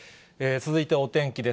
続いてお天気です。